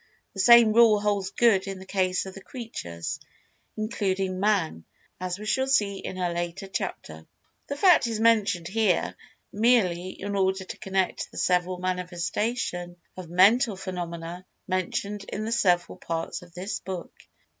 The same rule holds good in the case of the Creatures, including Man, as we shall see in a later chapter. The fact is mentioned here, merely in order to connect the several manifestation of Mental Phenomena mentioned in the several parts of this book.